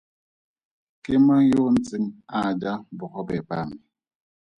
Ke mang yo a ntseng a ja bogobe ba me?